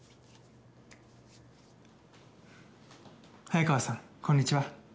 早川さん、こんにちは。